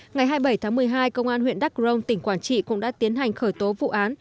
ngày hai mươi bảy tháng một mươi hai công an huyện đắk rông tỉnh quảng trị cũng đã tiến hành khởi tố vụ án